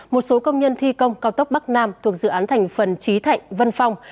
một số công nhân thi công cao tốc bắc nam thuộc dự án thành phần trí thạnh vân phong